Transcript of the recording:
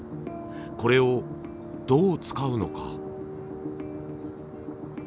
これをどう使うのか。